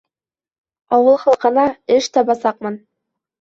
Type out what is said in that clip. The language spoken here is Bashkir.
Ауыл халҡына эш табасаҡмын.